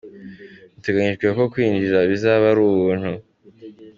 Biteganyijwe ko kwinjira bizaba ari ubuntu.